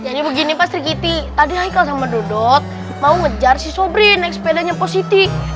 jadi begini pak sri kiti tadi aikal sama dodot mau ngejar si sobrin naik sepedanya positif